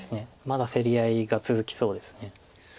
まだ競り合いが続きそうです。